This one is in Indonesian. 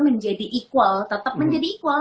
menjadi equal tetap menjadi equal